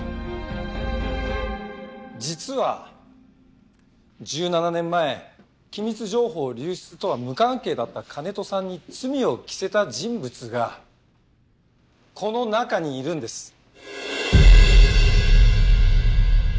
実は１７年前機密情報流出とは無関係だった金戸さんに罪を着せた人物がこの中にいるんです。